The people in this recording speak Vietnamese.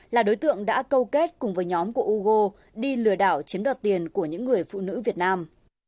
là đối tượng đã câu kết cùng với nhóm của googo đi lừa đảo chiếm đoạt tiền của những người phụ nữ việt nam